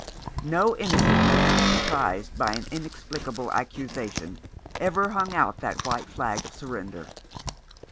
No innocent man, surprised by an inexplicable accusation, ever hung out that white flag of surrender.